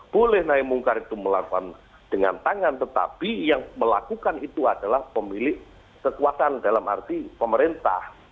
boleh naik mungkar itu melakukan dengan tangan tetapi yang melakukan itu adalah pemilik kekuatan dalam arti pemerintah